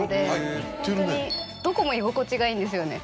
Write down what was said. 本当にどこも居心地がいいんですよね。